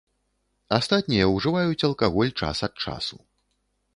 Астатнія ўжываюць алкаголь час ад часу.